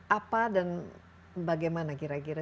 apa dan bagaimana kira kira